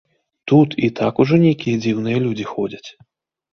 Тут і так ужо нейкія дзіўныя людзі ходзяць.